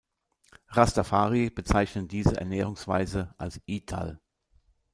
Rastafari bezeichnen diese Ernährungsweise als I-tal.